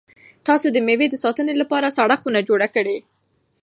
تاسو د مېوو د ساتنې لپاره سړه خونه جوړه کړئ.